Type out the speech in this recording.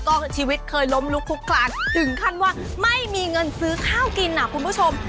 ก็ชีวิตเคยล้มลุกคุกคลานถึงขั้นว่าไม่มีเงินซื้อข้าวกินอ่ะคุณผู้ชม